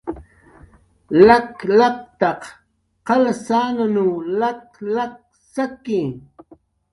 Lak laktaq qalsananw lak lak saki